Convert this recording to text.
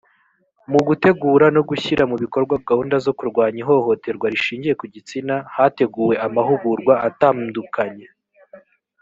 mu gutegura no gushyira mu bikorwa gahunda zo kurwanya ihohoterwa rishingiye ku gitsina hateguwe amahugurwa atamdukanye